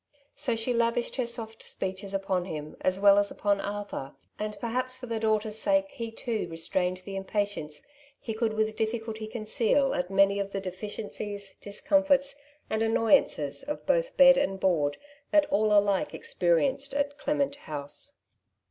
So she lavished her soft speeches upon him as well as upon Arthur ; and perhaps for the daughter's sake he too restrained the impatience he could with difficulty conceal at many of the deficiencies, discomforts, and annoyances of both bed and board that all alike experienced at '^ Clement House.''